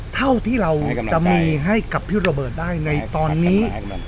เท่าที่เราจะมีให้กับพี่โรเบิร์ตได้ในตอนนี้